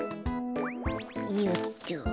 よっと。